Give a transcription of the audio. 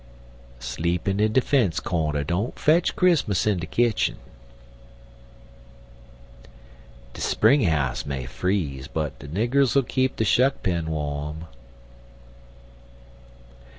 Sleepin' in de fence cornder don't fetch Chrismus in de kitchen. De spring house may freeze, but de niggers 'll keep de shuck pen warm.